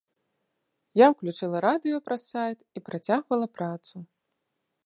Я ўключыла радыё праз сайт і працягвала працу.